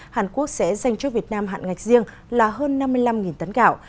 hàn quốc sẽ dành cho việt nam hạn ngạch riêng là hơn năm mươi năm tấn gạo